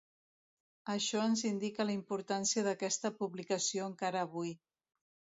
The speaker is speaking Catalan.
Això ens indica la importància d'aquesta publicació encara avui.